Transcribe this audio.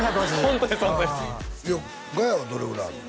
ホントですホントですいやガヤはどれぐらいあるの？